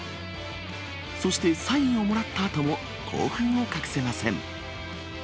そしてサインをもらったあとも、興奮を隠せません。